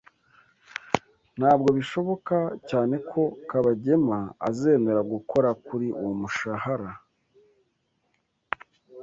Ntabwo bishoboka cyane ko Kabagema azemera gukora kuri uwo mushahara.